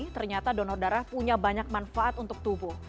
ternyata donor darah punya banyak manfaat untuk tubuh